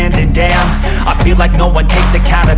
dia selalu di dekat kamu